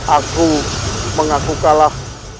aku mengaku kalah